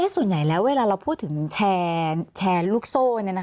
ส่วนใหญ่แล้วเวลาเราพูดถึงแชร์ลูกโซ่